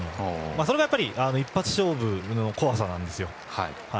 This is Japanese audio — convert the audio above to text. それが一発勝負の怖さなんですよ。